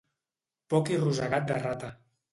Poc i rosegat de rata